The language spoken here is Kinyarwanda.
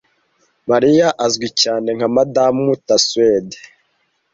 Marie azwi cyane nka Madam Tussaud